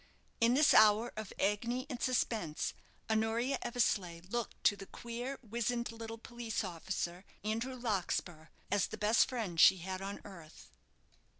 In this hour of agony and suspense, Honoria Eversleigh looked to the queer, wizened little police officer, Andrew Larkspur, as the best friend she had on earth.